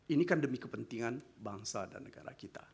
ini kan demi kepentingan bangsa dan negara kita